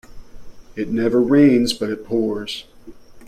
It never rains but it pours.